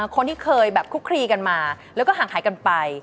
คนที่เคยแบบคุกคลีกันมาแล้วก็ห่างหายกันไป